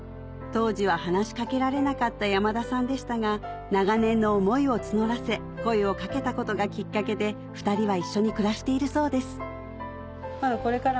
当時は話し掛けられなかった山田さんでしたが長年の思いを募らせ声を掛けたことがきっかけで２人は一緒に暮らしているそうです